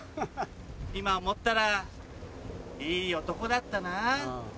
今思ったらいい男だったな。